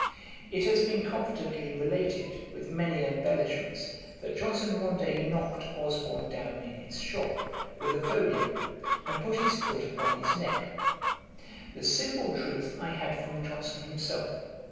It has been confidently related, with many embellishments, that Johnson one day knocked Osborne down in his shop, with a folio, and put his foot upon his neck. The simple truth I had from Johnson himself.